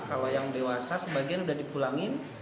kalau yang dewasa sebagian udah dipulangkan